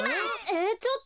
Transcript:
えっ？